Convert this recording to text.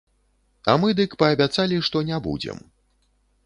А мы дык паабяцалі, што не будзем.